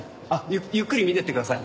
ゆっくり見ていってください。